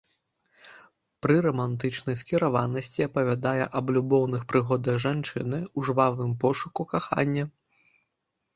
Пры рамантычнай скіраванасці апавядае аб любоўных прыгодах жанчыны ў жвавым пошуку кахання.